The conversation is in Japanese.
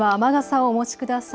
あすは雨傘をお持ちください。